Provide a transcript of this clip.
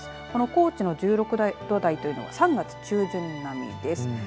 この高知の１６度台というのは３月中旬並みです。